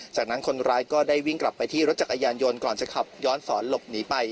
จากนั้นคนร้ายก็ได้วิ่งกลับไปที่รถจักรยานยนต์ก่อนจะขับย้อนสอนหลบหนีไป